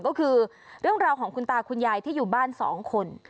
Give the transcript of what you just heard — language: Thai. ก็คือเรื่องราวของคุณตาคุณยายที่อยู่บ้านสองคน